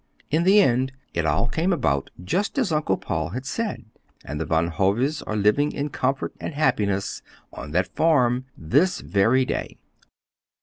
In the end it all came about just as Uncle Paul had said, and the Van Hoves are living in comfort and happiness on that farm this very day.